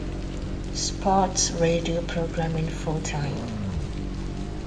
Sports Radio programming full-time.